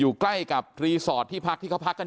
อยู่ดีมาตายแบบเปลือยคาห้องน้ำได้ยังไง